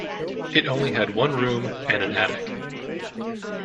It only had one room and an attic.